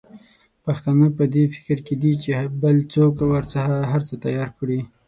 پښتانه په دي فکر کې دي چې بل څوک ورته هرڅه تیار کړي.